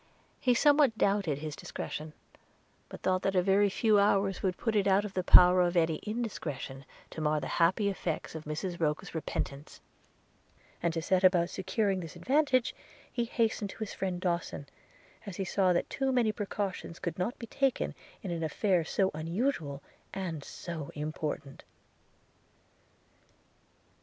He somewhat doubted his discretion, but thought that a very few hours would put it out of the power of any indiscretion to mar the happy effects of Mrs Roker's repentance: – and to set about securing this advantage, he hastened to his friend Dawson, as he saw that too many precautions could not be taken in an affair so unusual and so important.